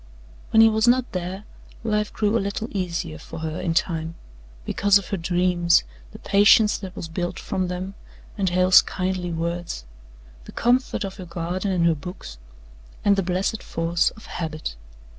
When he was not there, life grew a little easier for her in time, because of her dreams, the patience that was built from them and Hale's kindly words, the comfort of her garden and her books, and the blessed force of habit.